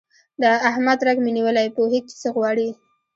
د احمد رګ مې نیولی، پوهېږ چې څه غواړي.